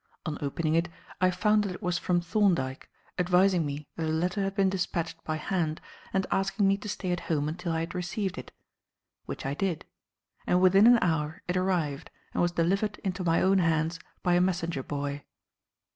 On opening it I found that it was from Thorndyke, advising me that a letter had been dispatched by hand and asking me to stay at home until I had received it; which I did; and within an hour it arrived and was delivered into my own hands by a messenger boy.